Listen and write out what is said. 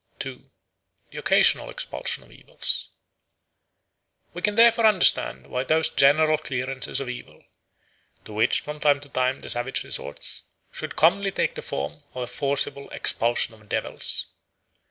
2. The Occasional Expulsion of Evils WE can therefore understand why those general clearances of evil, to which from time to time the savage resorts, should commonly take the form of a forcible expulsion of devils.